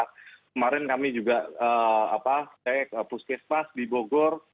kemarin kami juga cek puskesmas di bogor